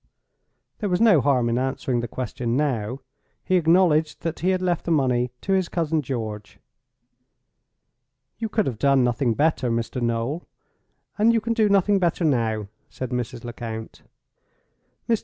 There was no harm in answering the question now. He acknowledged that he had left the money to his cousin George. "You could have done nothing better, Mr. Noel; and you can do nothing better now," said Mrs. Lecount. "Mr.